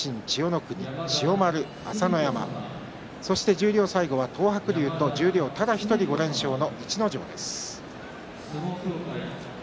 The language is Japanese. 十両最後は東白龍と十両ただ１人５連勝の逸ノ城です。